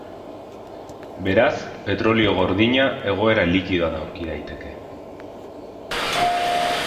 Beraz, petrolio gordina egoera likidoan aurki daiteke.